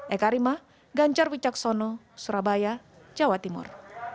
eka rima ganjar wicaksono surabaya jawa timur